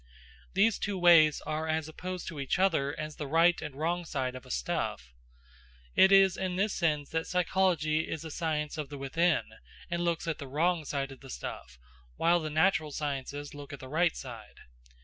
These two ways are as opposed to each other as the right and wrong side of a stuff. It is in this sense that psychology is the science of the within and looks at the wrong side of the stuff, while the natural sciences look at the right side.